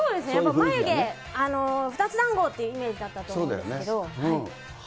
眉毛、２つだんごっていうイメージだったと思うんですけれども。